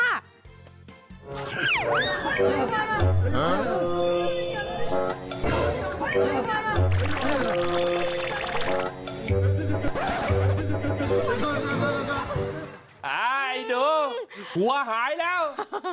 อ้าวอีโด่หัวหายแล้ว